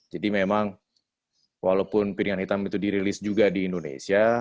jadi memang walaupun piringan hitam itu dirilis juga di indonesia